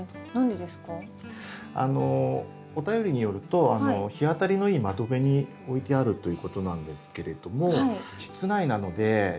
お便りによると日当たりのいい窓辺に置いてあるということなんですけれども室内なので日光不足が一番の原因かなと思うんです。